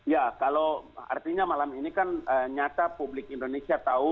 ya kalau artinya malam ini kan nyata publik indonesia tahu